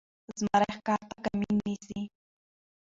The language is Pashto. زمری ښکار ته کمین نیسي.